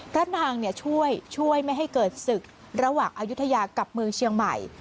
พระนางช่วยไม่ให้เกิดศึกระหว่างอายุทยากับเมืองเชียงใหม่